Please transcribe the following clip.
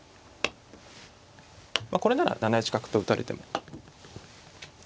これなら７一角と打たれても。